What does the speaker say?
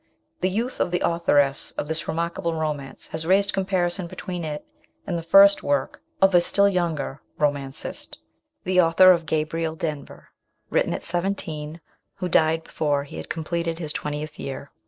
The youth of the authoress of this remarkable romance has raised comparison between it 110 MRS. SHELLEY. and the first work of a still younger romancist, the author of Gabriel Denver, written at seventeen, who died before he had completed his twentieth year.